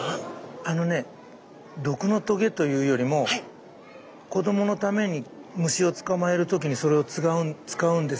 あのね毒のとげというよりも子どものために虫を捕まえる時にそれを使うんです